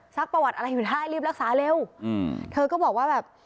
ซักประวัติอะไรอยู่ด้านไหนรีบรักษาเร็วเธอก็บอกว่าแบบ